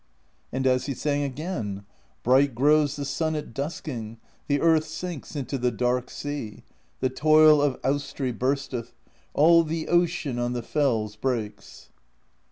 And as he sang again: Bright grows the sun at dusking, The earth sinks into the dark sea. The Toil of Austri bursteth; All the ocean on the fells breaks.